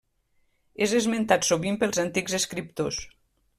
És esmentat sovint pels antics escriptors.